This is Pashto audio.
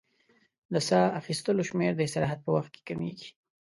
د سا اخیستلو شمېر د استراحت په وخت کې کمېږي.